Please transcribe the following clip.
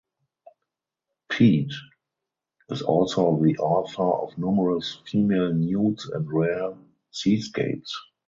Piet is also the author of numerous female nudes and rare seascapes.